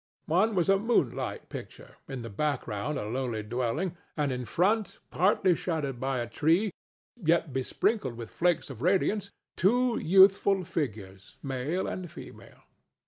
One was a moonlight picture, in the background a lowly dwelling, and in front, partly shadowed by a tree, yet besprinkled with flakes of radiance, two youthful figures, male and female.